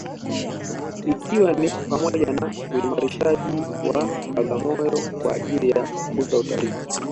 Ikiwa ni pamoja na uimarishaji wa Bagamoyo kwa ajili ya kukuza utalii